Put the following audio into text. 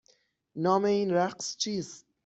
نام این رقص چیست؟